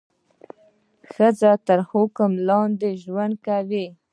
د ښځې تر حکم لاندې ژوند کوي.